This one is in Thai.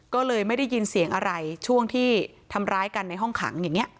ก็เลยไม่ได้ยินเสียงอะไรช่วงที่ทำร้ายกันในห้องขังอย่างนี้